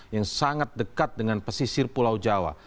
yang sangat dekat dengan pesisir pulau jawa